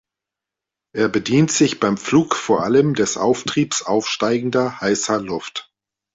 Er bedient sich beim Flug vor allem des Auftriebs aufsteigender heißer Luft.